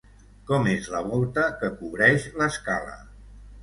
Com és la volta que cobreix l'escala?